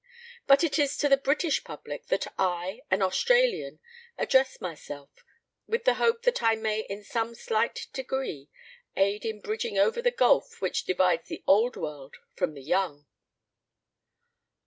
But it is to the British public that I, an Australian, address myself, with the hope that I may in some slight degree aid in bridging over the gulf which divides the Old World from the Young.